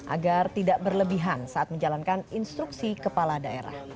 agar tidak berlebihan saat menjalankan instruksi kepala daerah